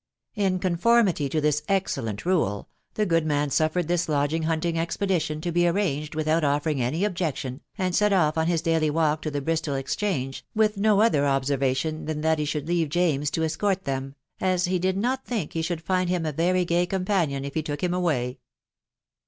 In conformity to uhi* excellent role, the good man suffered this lodging hunting expedition to be arranged without offering any objection, and set off on his daily walk to the Bristol ex change, with no other observation than that he should leave James to escort then, a* he did not think he should find him a very gay companion if he took him away.